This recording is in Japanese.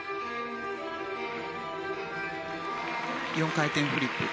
４回転フリップ。